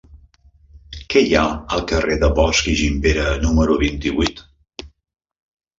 Què hi ha al carrer de Bosch i Gimpera número vint-i-vuit?